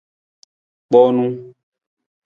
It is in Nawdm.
Kpoonu.